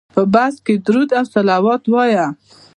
په بس کې درود او صلوات وایه.